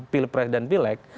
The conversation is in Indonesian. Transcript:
pilpres dan pilek